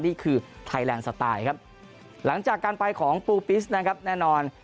นี่คือไทยแลนด์สไตล์ครับหลังจากการไปของปูปิสนะครับแน่นอน